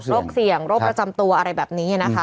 เสี่ยงโรคประจำตัวอะไรแบบนี้นะคะ